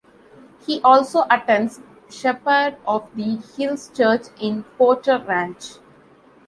He also attends Shepard of the Hills Church in Porter Ranch.